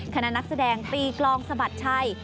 คณะนักแสดงตีกลองสะบัดชัย